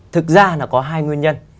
thực ra là có hai nguyên nhân